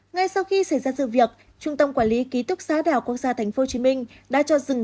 ngay sau khi xảy ra sự việc trung tâm quản lý ký túc xá đảo quốc gia tp hcm đã cho dừng